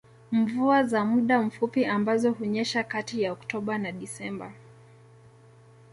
Mvua za muda mfupi ambazo hunyesha kati ya Oktoba na Desemba